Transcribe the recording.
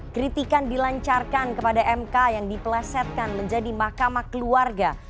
kritikan dilancarkan kepada mk yang dipelesetkan menjadi mahkamah keluarga